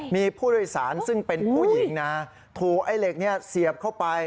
มีผู้โดยสารซึ่งเป็นผู้หญิงนะถูกไอ้เหล็กนี้เสียบเข้าไป